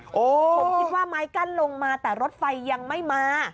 ผมคิดว่าไม้กั้นลงมาแต่รถไฟยังไม่มา